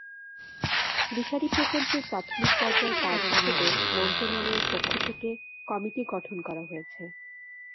দিশারি প্রকল্পের প্রাথমিক পর্যায়ের কাজ হিসেবে মন্ত্রণালয়ের পক্ষ থেকে কমিটি গঠন করা হয়েছে।